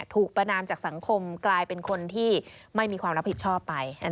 ประนามจากสังคมกลายเป็นคนที่ไม่มีความรับผิดชอบไป